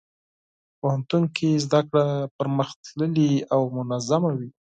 پوهنتون کې زدهکړه پرمختللې او منظمه وي.